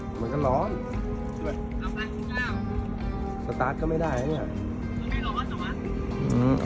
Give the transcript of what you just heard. เหมือนกันนอนสตาร์ทก็ไม่ได้เนี้ยอืมออกมาแล้วมันขึ้นไปนอนตรงตรงไหนเนี้ย